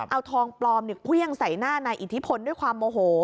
เอาทองปลอมเครื่องใส่หน้านายอิทธิพลด้วยความโมโห